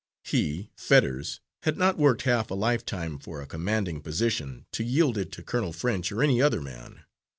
He, Fetters, had not worked half a lifetime for a commanding position, to yield it to Colonel French or any other man.